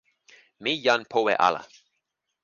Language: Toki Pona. mi jan powe ala.